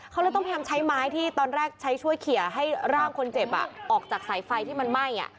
เขาเลยต้องพยายามใช้ไม้ที่ตอนแรกใช้ช่วยเขียให้ร่างคนเจ็บออกจากสายไฟที่มันไหม้